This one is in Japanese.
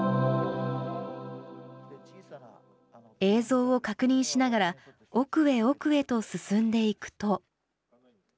映像を確認しながら、奥へ奥へと進んでいくと。